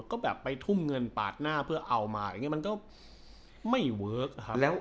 ก็แบบไปทุ่มเงินปาดหน้าเพื่อเอามาอย่างนี้มันก็ไม่เวิร์คครับ